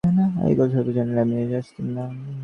এত গোল হইবে জানিলে আমি এখানে আসিতাম না।